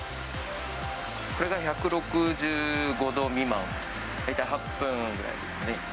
これが１６５度未満、大体８分ぐらいですね。